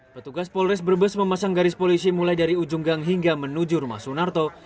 petugas polres brebes memasang garis polisi mulai dari ujung gang hingga menuju rumah sunarto